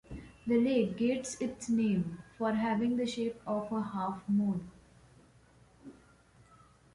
The lake gets its name for having the shape of a half moon.